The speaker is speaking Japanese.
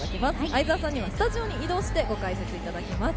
相澤さんにはスタジオでご解説いただきます